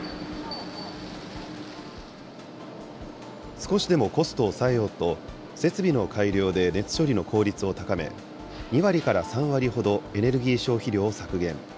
少しでもコストを抑えようと、設備の改良で熱処理の効率を高め、２割から３割ほど、エネルギー消費量を削減。